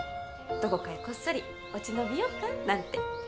どこかへこっそり落ち延びようかなんて。